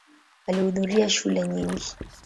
Alihudhuria shule nyingi.